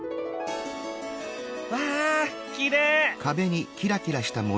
わあきれい！